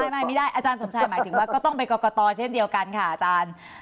ไม่ได้อาจารย์สมชายหมายถึงว่าก็ต้องไปกรกตเช่นเดียวกันค่ะอาจารย์